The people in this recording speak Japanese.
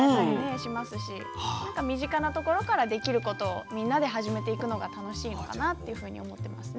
身近なところからできることをみんなで始めていくのが楽しいのかなと思っていますね。